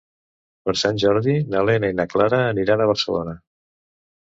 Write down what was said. Per Sant Jordi na Lena i na Clara aniran a Barcelona.